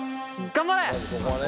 頑張れ！